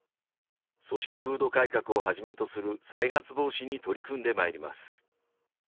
組織風土改革をはじめとする再発防止に取り組んでまいります。